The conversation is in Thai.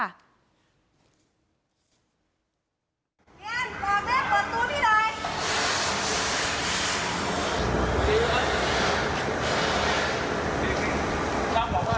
หาแม่ไม่ได้เหรอ